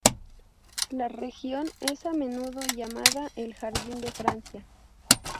La región es a menudo llamada "El jardín de Francia".